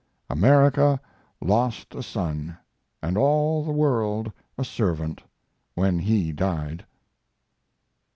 America, lost a son, and all the world a servant, when he died."